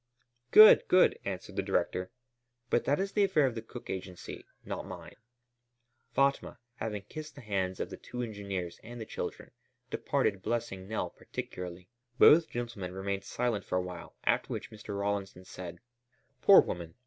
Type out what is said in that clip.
"Good, good," answered the director, "but that is the affair of the Cook Agency, not mine." Fatma, having kissed the hands of the two engineers and the children, departed blessing Nell particularly. Both gentlemen remained silent for a while, after which Mr. Rawlinson said: "Poor woman!